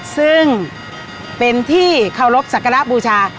ซึ่งเป็นที่เคารพสักการะบูชา